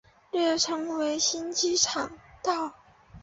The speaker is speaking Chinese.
略称为新机场道。